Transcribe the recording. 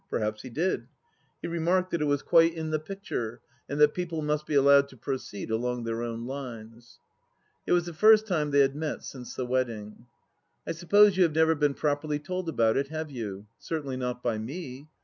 Perhaps he did. He remarked that it was quite in the 29(5 THE LAST DITCH picture, and that people must be allowed to proceed along their own lines. It was the first time they had met since the wedding ! I suppose you have never been properly told about it, have you ? Certainly not by me.